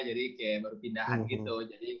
jadi kayak baru pindahan gitu